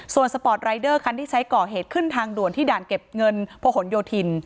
ส่วนสปอร์ตรายเดอร์คันที่ใช้ก่อเหตุขึ้นทางด่วนที่ด่านเก็บเงินพหนโยธิน